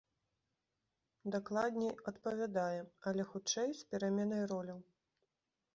Дакладней, адпавядае, але, хутчэй, з пераменай роляў.